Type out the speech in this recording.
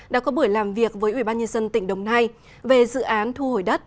đã có buổi làm việc với ủy ban nhân dân tỉnh đồng nai về dự án thu hồi đất